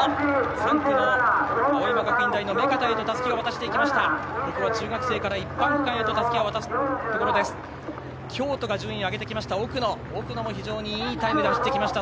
３区の青山学院大学の目片へとたすきを渡しました。